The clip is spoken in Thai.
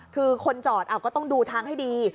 คือคนจอดก็ต้องดูทางให้ดี